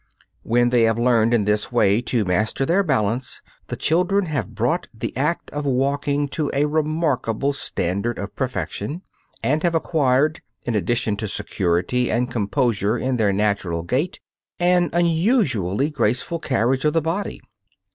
When they have learned in this way to master their balance the children have brought the act of walking to a remarkable standard of perfection, and have acquired, in addition to security and composure in their natural gait, an unusually graceful carriage of the body.